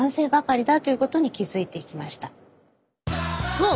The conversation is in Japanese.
そう！